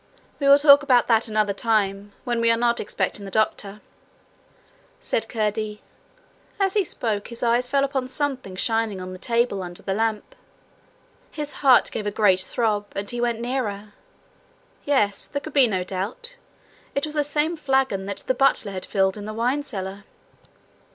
'We will talk about that another time, when we are not expecting the doctor,' said Curdie. As he spoke, his eyes fell upon something shining on the table under the lamp. His heart gave a great throb, and he went nearer. Yes, there could be no doubt it was the same flagon that the butler had filled in the wine cellar.